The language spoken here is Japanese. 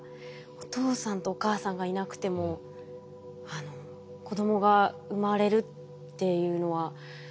お父さんとお母さんがいなくても子どもが生まれるっていうのは。